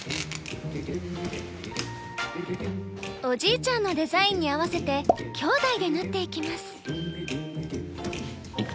おじいちゃんのデザインに合わせて姉弟で縫っていきます。